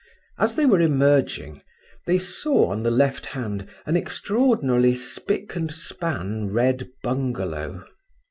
As they were emerging, they saw on the left hand an extraordinarily spick and span red bungalow.